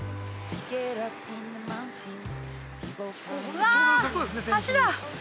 わぁっ、橋だ。